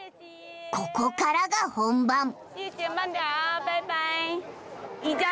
ここからが本番！